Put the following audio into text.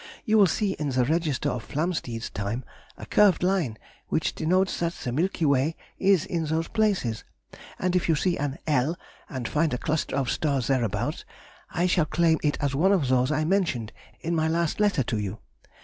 You will see in the register of Flamsteed's time a curved line which denotes that the Milky Way is in those places, and if you see an L and find a cluster of stars thereabout, I shall claim it as one of those I mentioned in my last letter to you.